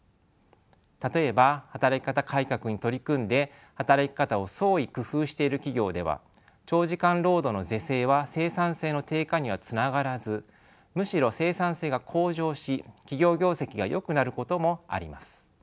例えば働き方改革に取り組んで働き方を創意工夫している企業では長時間労働の是正は生産性の低下にはつながらずむしろ生産性が向上し企業業績がよくなることもあります。